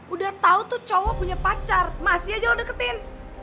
udah tau tuh cowok punya pacar masih aja udah deketin